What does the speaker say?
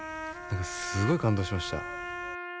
何かすごい感動しました。